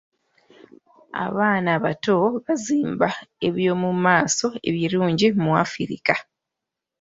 Abaana abato bazimba eby'omu maaso ebirungi mu Afirika